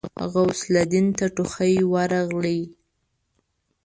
غوث الدين ته ټوخی ورغی.